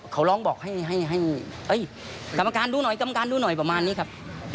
เขาร้องบอกให้กรรมการดูหน่อยประมาณนี้ครับ